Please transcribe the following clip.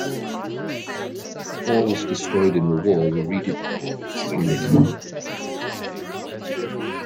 Halls destroyed in the war were redeveloped and expanded.